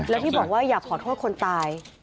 แล้วที่บอกว่าอยากขอโทษคนตาย